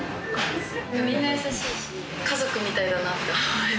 皆やさしいし家族みたいだなって。